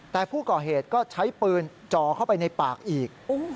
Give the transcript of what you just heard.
แต่ผู้ก่อเหตุก็ใช้ปืนจ่อเข้าไปในปากอีก